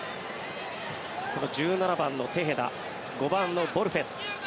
この１７番のテヘダ５番のボルヘス